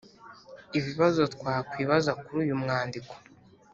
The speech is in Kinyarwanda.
ibibazo twakwibaza kuri uyu mwandiko